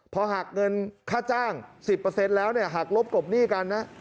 พอหักเงินค่าจ้าง๑๐แล้วหักลบกบหนี้กันนะ